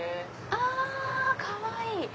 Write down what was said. あかわいい！